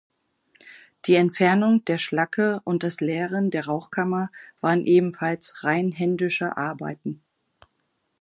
Die Entfernung der Schlacke und das Leeren der Rauchkammer waren ebenfalls rein händische Arbeiten.